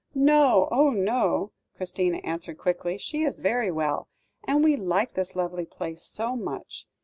"No; oh, no!" Christina answered quickly; "she is very well, and we like this lovely place so much.